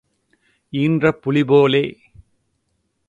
ஈன்ற புலி போலே.